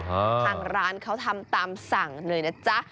ทางร้านเขาทำตามสั่งเลยนะจ๊ะ